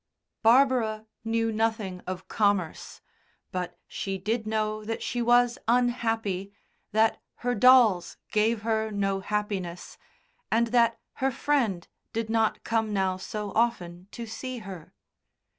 Barbara knew nothing of commerce, but she did know that she was unhappy, that her dolls gave her no happiness, and that her Friend did not come now so often to see her.